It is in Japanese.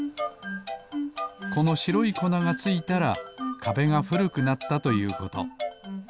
このしろいこながついたらかべがふるくなったということ。